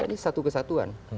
ini satu kesatuan